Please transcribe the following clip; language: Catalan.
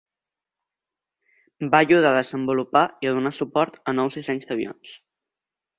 Va ajudar a desenvolupar i a donar suport a nous dissenys d'avions.